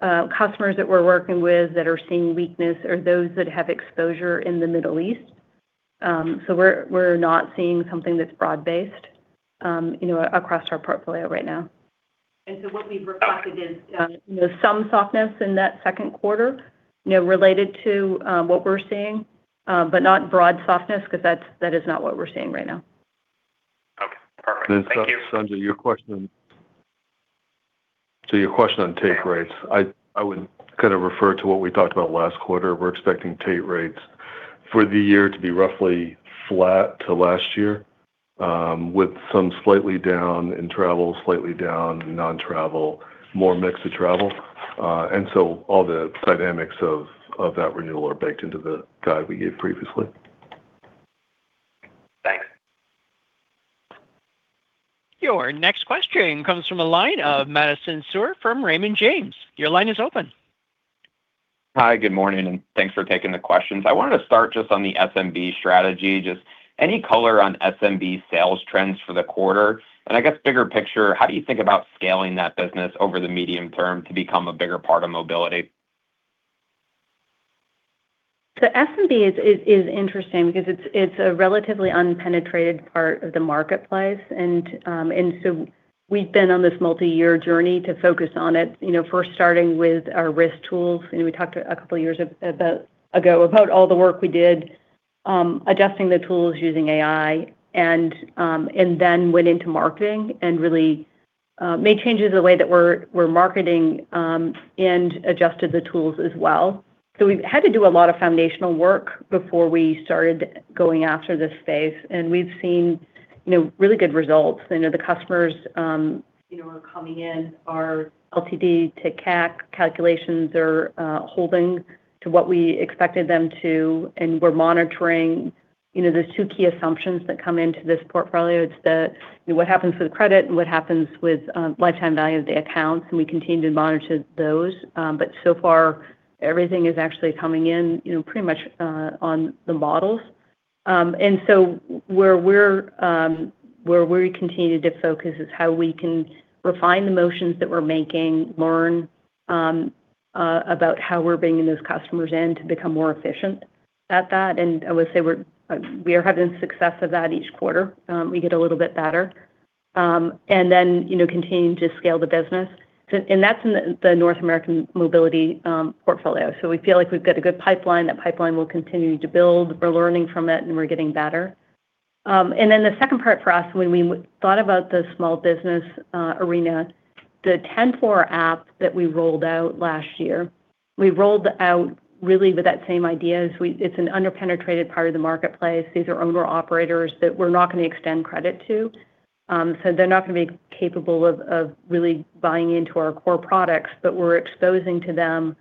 customers that we're working with that are seeing weakness are those that have exposure in the Middle East. We're not seeing something that's broad-based across our portfolio right now. What we've reflected is some softness in that second quarter related to what we're seeing, but not broad softness because that is not what we're seeing right now. Okay, perfect. Thank you. Sanjay, to your question on take rates, I would refer to what we talked about last quarter. We're expecting take rates for the year to be roughly flat to last year, with some slightly down in travel, slightly down non-travel, more mix to travel. All the dynamics of that renewal are baked into the guide we gave previously. Thanks. Your next question comes from the line of Madison Suhr from Raymond James. Your line is open. Hi, good morning, and thanks for taking the questions. I wanted to start just on the SMB strategy. Just any color on SMB sales trends for the quarter? I guess bigger picture, how do you think about scaling that business over the medium term to become a bigger part of Mobility? SMB is interesting because it's a relatively unpenetrated part of the marketplace. We've been on this multi-year journey to focus on it, first starting with our risk tools, and we talked a couple of years ago about all the work we did adjusting the tools using AI, and then went into marketing and really made changes the way that we're marketing, and adjusted the tools as well. We've had to do a lot of foundational work before we started going after this space, and we've seen really good results. The customers who are coming in, our LTV to CAC calculations are holding to what we expected them to, and we're monitoring the two key assumptions that come into this portfolio. It's the what happens with credit and what happens with lifetime value of the accounts, and we continue to monitor those. So far everything is actually coming in pretty much on the models. Where we're continuing to focus is how we can refine the motions that we're making, learn about how we're bringing those customers in to become more efficient at that. I would say we are having success of that each quarter. We get a little bit better, continuing to scale the business. That's in the North American Mobility portfolio. We feel like we've got a good pipeline. That pipeline will continue to build. We're learning from it, and we're getting better. The second part for us, when we thought about the small business arena, the 10-4 app that we rolled out last year, we rolled out really with that same idea. It's an under-penetrated part of the marketplace. These are owner-operators that we're not going to extend credit to. They're not going to be capable of really buying into our core products. We're exposing to them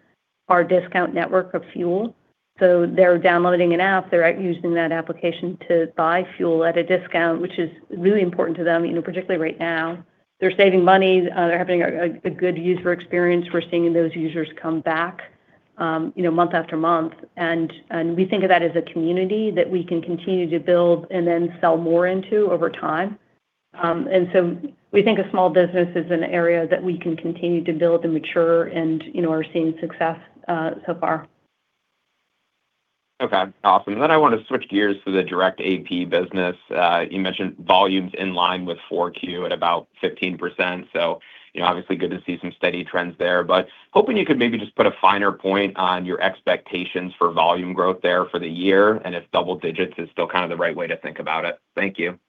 our discount network of fuel. They're downloading an app. They're out using that application to buy fuel at a discount, which is really important to them, particularly right now. They're saving money. They're having a good user experience. We're seeing those users come back month after month, and we think of that as a community that we can continue to build and then sell more into over time. We think of small business as an area that we can continue to build and mature and are seeing success so far. Okay, awesome. I want to switch gears to the direct AP business. You mentioned volumes in line with 4Q at about 15%. Obviously good to see some steady trends there, but hoping you could maybe just put a finer point on your expectations for volume growth there for the year, and if double digits is still kind of the right way to think about it. Thank you.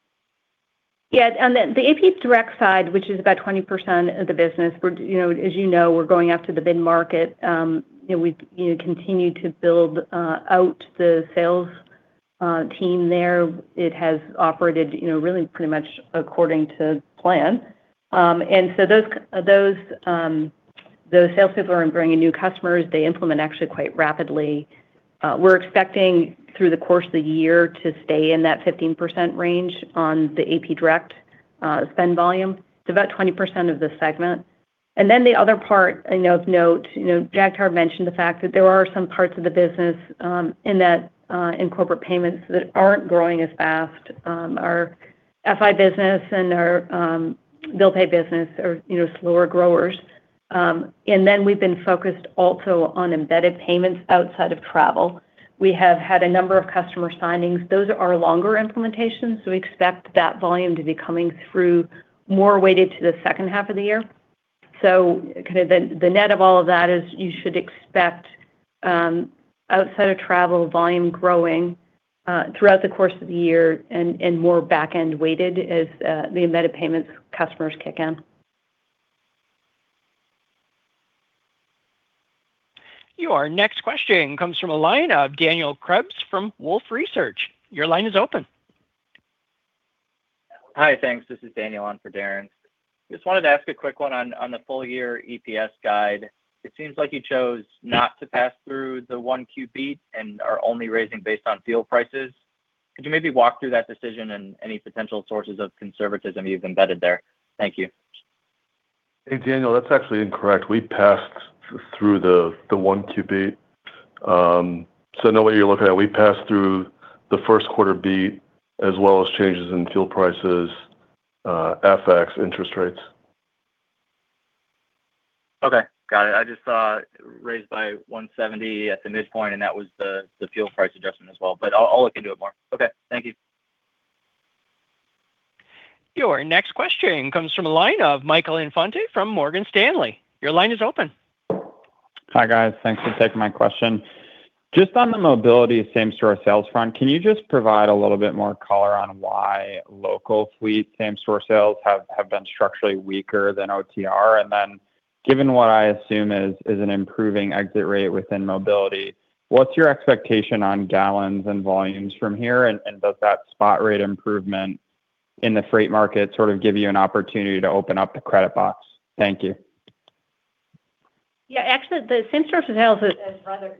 Yeah. On the AP direct side, which is about 20% of the business, as you know, we're going after the mid-market. We've continued to build out the sales team there. It has operated really pretty much according to plan. Those salespeople are bringing new customers. They implement actually quite rapidly. We're expecting through the course of the year to stay in that 15% range on the AP direct spend volume. It's about 20% of the segment. The other part of note, Jagtar mentioned the fact that there are some parts of the business in Corporate Payments that aren't growing as fast. Our FI business and our bill pay business are slower growers. We've been focused also on embedded payments outside of travel. We have had a number of customer signings. Those are longer implementations, so we expect that volume to be coming through more weighted to the second half of the year. The net of all of that is you should expect outside of travel volume growing throughout the course of the year and more back-end weighted as the embedded payments customers kick in. Your next question comes from a line of Daniel Krebs from Wolfe Research. Your line is open. Hi, thanks. This is Daniel on for Darren. Just wanted to ask a quick one on the full year EPS guide. It seems like you chose not to pass through the 1Q beat and are only raising based on fuel prices. Could you maybe walk through that decision and any potential sources of conservatism you've embedded there? Thank you. Hey, Daniel, that's actually incorrect. We passed through the 1Q beat. I know what you're looking at. We passed through the first quarter beat as well as changes in fuel prices affects interest rates. Okay, got it. I just saw raised by 170 at the midpoint, and that was the fuel price adjustment as well, but I'll look into it more. Okay, thank you. Your next question comes from the line of Michael Infante from Morgan Stanley. Your line is open. Hi, guys. Thanks for taking my question. Just on the Mobility same-store sales front, can you just provide a little bit more color on why local fleet same-store sales have been structurally weaker than OTR? And then given what I assume is an improving exit rate within Mobility, what's your expectation on gallons and volumes from here? And does that spot rate improvement in the freight market sort of give you an opportunity to open up the credit box? Thank you. Yeah, actually, the same-store sales has rather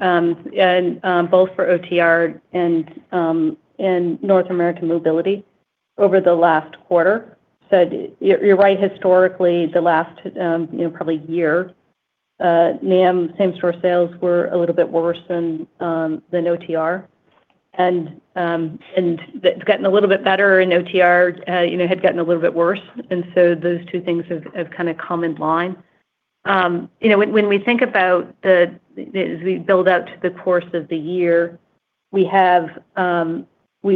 merged, both for OTR and North American mobility over the last quarter. You're right, historically, the last probably year, NAM same-store sales were a little bit worse than OTR. It's gotten a little bit better and OTR had gotten a little bit worse. Those two things have kind of come in line. When we think about as we build out to the course of the year, we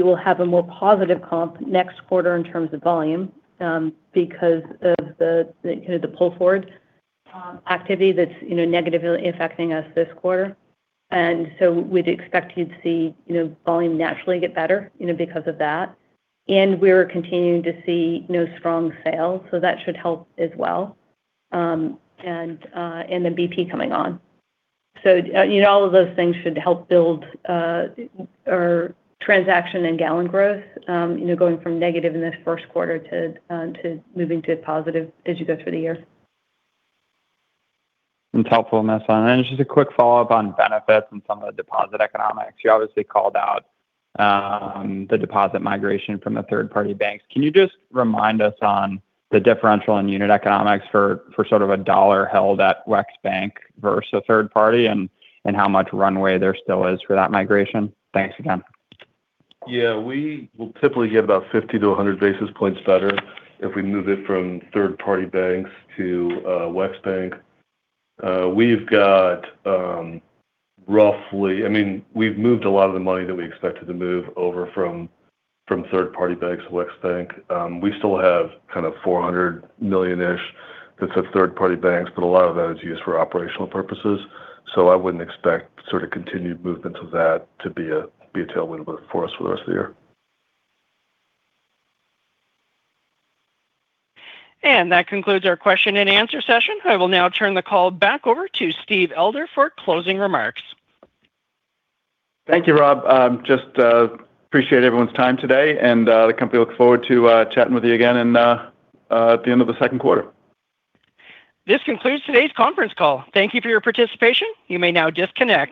will have a more positive comp next quarter in terms of volume because of the pull-forward activity that's negatively affecting us this quarter. We'd expect you to see volume naturally get better because of that. We're continuing to see now strong sales, so that should help as well. The BP coming on. All of those things should help build our transaction and gallon growth, going from negative in this first quarter to moving to positive as you go through the year. That's helpful, Melissa. Just a quick follow-up on Benefits and some of the deposit economics. You obviously called out the deposit migration from the third-party banks. Can you just remind us on the differential in unit economics for sort of a dollar held at WEX Bank versus a third party and how much runway there still is for that migration? Thanks again. Yeah, we will typically get about 50-100 basis points better if we move it from third-party banks to WEX Bank. We've moved a lot of the money that we expected to move over from third-party banks to WEX Bank. We still have $400 million-ish that's at third-party banks, but a lot of that is used for operational purposes. I wouldn't expect sort of continued movement of that to be a tailwind for us for the rest of the year. That concludes our question and answer session. I will now turn the call back over to Steve Elder for closing remarks. Thank you, Rob. I just appreciate everyone's time today, and the company looks forward to chatting with you again at the end of the second quarter. This concludes today's conference call. Thank you for your participation. You may now disconnect.